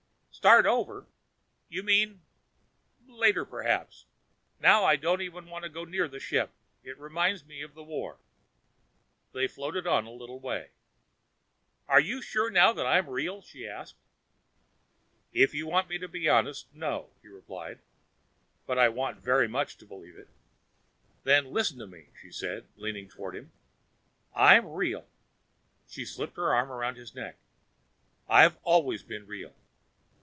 "Start over? You mean.... Later perhaps. Now I don't even want to go near the ship. It reminds me of the war." They floated on a little way. "Are you sure now that I'm real?" she asked. "If you want me to be honest, no," he replied. "But I want very much to believe it." "Then listen to me," she said, leaning toward him. "I'm real." She slipped her arms around his neck. "I've always been real.